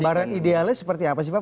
gambaran idealnya seperti apa sih bang